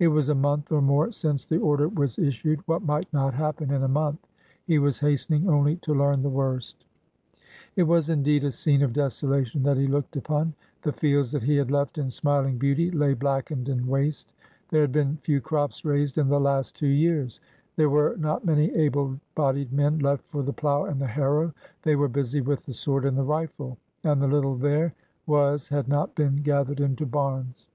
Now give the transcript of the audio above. It was a month or more since the order was issued. What might not happen in a month! He was hastening only to learn the worst. It was indeed a scene of desolation that he looked upon ! The fields that he had left in smiling beauty lay blackened and waste. There had been few crops raised in the last two years ; there were not many able bodied men left for the plow and the harrow— they were busy with the sword and the rifle; and the little there was had not been gath ered into barns.